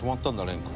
蓮君」